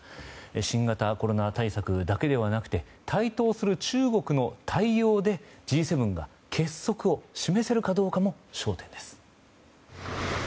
新型コロナ対策だけではなくて台頭する中国の対応でＧ７が結束を示せるかどうかも焦点です。